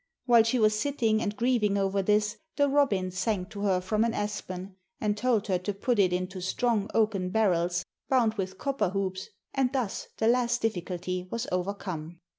While she was sitting and grieving over this, the robin sang to her from an aspen, and told her to put it into strong oaken barrels bound with copper hoops, and thus the last difficulty was overcome.